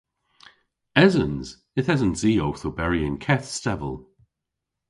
Esens. Yth esens i owth oberi y'n keth stevel.